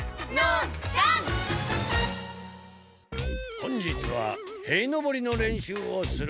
本日は塀のぼりの練習をする。